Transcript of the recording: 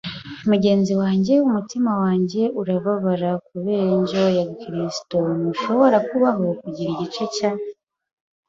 mugenzi wanjye, umutima wanjye urababara kubera indyo ya gikristo. Ntushobora kubaho kugira igice cya